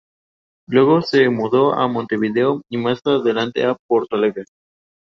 Luego se mudó a Montevideo y más adelante a Porto Alegre.